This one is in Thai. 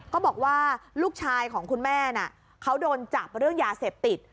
ก็บอกว่าลูกชายของคุณแม่น่ะเขาโดนจับเรื่องยาเสพติด